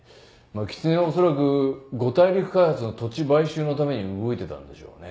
狐は恐らく五大陸開発の土地買収のために動いていたんでしょうね。